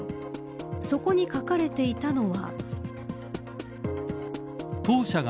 そこに書かれていたのは。